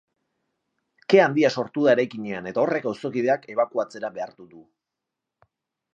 Ke handia sortu da eraikinean eta horrek auzokideak ebakuatzera behartu du.